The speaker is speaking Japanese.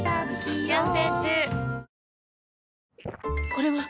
これはっ！